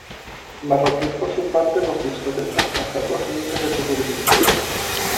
Marroquín por su parte lo acusó de traspasar los límites de su jurisdicción.